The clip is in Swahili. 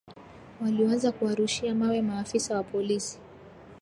walioanza kuwarushia mawe maafisa wa polisi